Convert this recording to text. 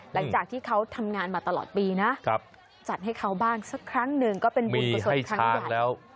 หลังจากที่เขาทำงานมาตลอดปีนะจัดให้เขาบ้างสักครั้งหนึ่งก็เป็นบุญส่วนของสัตว์ใหญ่มีให้ช้างแล้ว